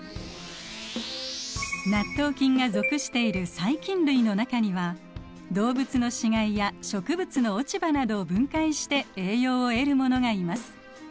納豆菌が属している細菌類の中には動物の死骸や植物の落ち葉などを分解して栄養を得るものがいます。